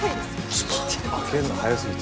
ちょっと開けるの早すぎた。